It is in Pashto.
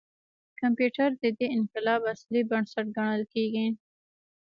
کمپیوټر د دې انقلاب اصلي بنسټ ګڼل کېږي.